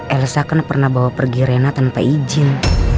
elsa kan pernah bawa pergi rena tanpa izin